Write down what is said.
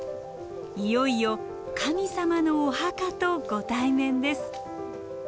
いよいよ神様のお墓とご対面です。